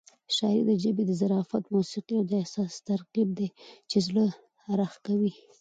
شاعري د ژبې د ظرافت، موسيقۍ او احساس ترکیب دی چې زړه راښکوي.